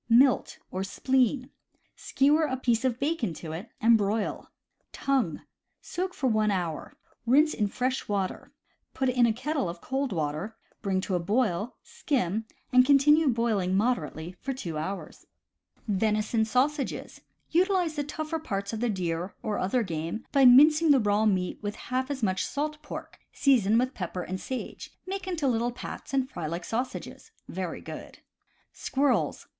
Milt (Spleen). — Skewer a piece of bacon to it, and broil. Tongue. — Soak for one hour; rinse in fresh water; put in a kettle of cold water, bring to a boil, skim, and continue boiling moderately two hours. 142 CAMPING AND WOODCRAFT Venison Sausages. — Utilize the tougher parts of the deer, or other game, by mincing the raw meat with half as much salt pork, season with pepper and sage, make into little pats, and fry like sausages. Very good. Squirrels.